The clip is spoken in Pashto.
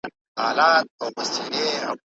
بڼوال کولای سي په اوږه باندي ګڼ توکي راوړي.